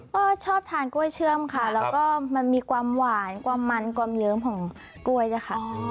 ก็ชอบทานกล้วยเชื่อมค่ะแล้วก็มันมีความหวานความมันความเลิ้มของกล้วยด้วยค่ะ